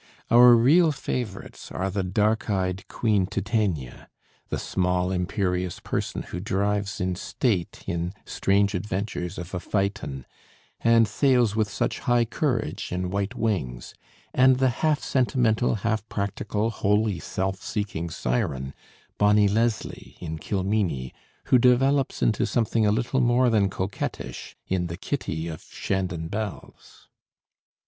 Our real favorites are the dark eyed Queen Titania, the small imperious person who drives in state in 'Strange Adventures of a Phaeton,' and sails with such high courage in 'White Wings,' and the half sentimental, half practical, wholly self seeking siren Bonny Leslie in 'Kilmeny' who develops into something a little more than coquettish in the Kitty of 'Shandon Bells.'